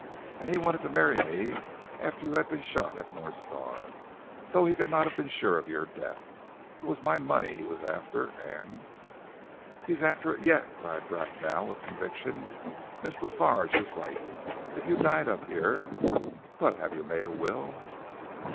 And he wanted to marry me after you had been shot at North Star, though he could not have been sure of your death.... It was my money he was after, and " "He's after it yet!" cried Bracknell with conviction, "Miss La Farge is right. If you died up here but have you made a will?"